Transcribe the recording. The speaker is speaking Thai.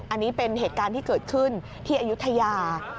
อันนี้เป็นเหตุการณ์ที่เกิดขึ้นที่อายุทยา